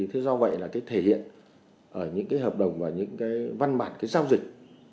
thế do vậy là cái thể hiện những cái hợp đồng và những cái văn bản cái giao dịch